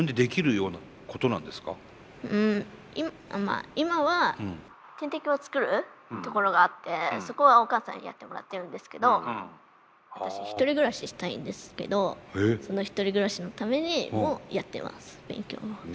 うん今は点滴を作るところがあってそこはお母さんにやってもらってるんですけど私１人暮らししたいんですけどその１人暮らしのためにもやってます勉強を。